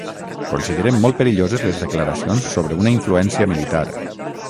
Considerem molt perilloses les declaracions sobre una influència militar.